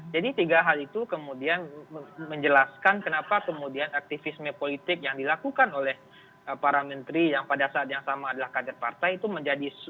jadi tiga hal itu kemudian menjelaskan kenapa kemudian aktivisme politik yang dilakukan oleh para menteri yang pada saat yang sama adalah kader partai itu menjadi